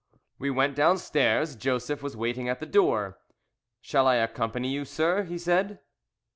We went downstairs. Joseph was waiting at the door. "Shall I accompany you, sir?" he said.